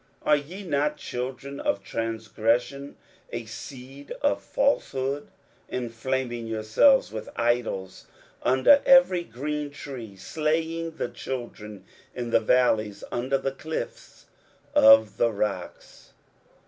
are ye not children of transgression, a seed of falsehood. 23:057:005 Enflaming yourselves with idols under every green tree, slaying the children in the valleys under the clifts of the rocks?